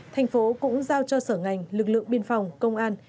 thành phố cũng giao cho sở ngành lực lượng biên phòng công an